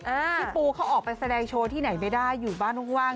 พี่ปูเขาออกไปแสดงโชว์ที่ไหนไม่ได้อยู่บ้านว่าง